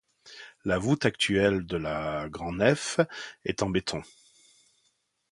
La voûte actuelle de la grand nef est en béton.